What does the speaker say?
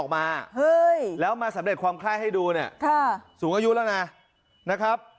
เล่ามาสำเร็จความคล้ายให้ดูนี่สูงอายุแล้วนะครับ